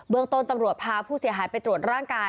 เมืองต้นตำรวจพาผู้เสียหายไปตรวจร่างกาย